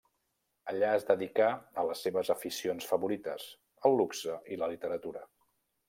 Allà es dedicà a les seves aficions favorites, el luxe i la literatura.